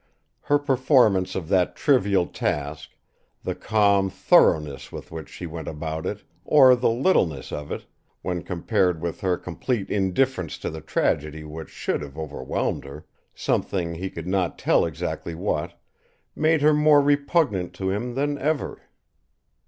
Her performance of that trivial task, the calm thoroughness with which she went about it, or the littleness of it, when compared with her complete indifference to the tragedy which should have overwhelmed her something, he could not tell exactly what, made her more repugnant to him than ever.